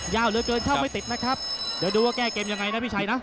ยาวเหลือเกินเข้าไม่ติดนะครับเดี๋ยวดูว่าแก้เกมยังไงนะพี่ชัยนะ